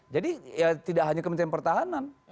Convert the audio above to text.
jadi ya tidak hanya kementerian pertahanan